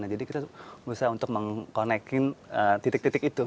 jadi kita berusaha untuk menghubungkan titik titik itu